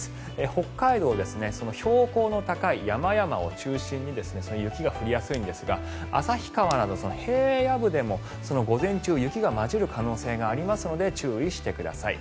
北海道、標高の高い山々を中心に雪が降りやすいんですが旭川などの平野部でも午前中雪が交じる恐れがありますので注意してください。